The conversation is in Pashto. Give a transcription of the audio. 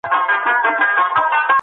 هویت مو مه هېروئ.